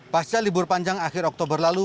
pasca libur panjang akhir oktober lalu